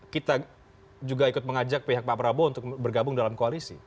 kita juga ikut mengajak pihak pak prabowo untuk bergabung dalam koalisi